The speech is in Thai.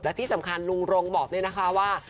และที่สำคัญลุงรงบอกด้วยนะคะว่า